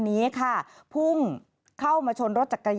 มีเกือบไปชนิดนึงนะครับ